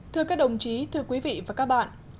thưa các đồng chí thưa quý vị và các bạn